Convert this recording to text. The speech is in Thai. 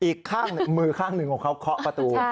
อีกข้างมือข้างหนึ่งของเขาเคาะประตู